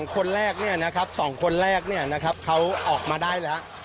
๒คนแรกเนี่ยนะครับ๒คนแรกเนี่ยนะครับเขาออกมาได้แล้ว